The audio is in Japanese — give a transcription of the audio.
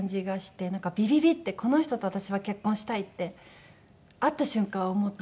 なんかビビビッ！ってこの人と私は結婚したい！って会った瞬間思った。